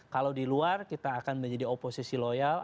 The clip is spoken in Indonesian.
kalau di luar kita akan menjadi oposisi loyal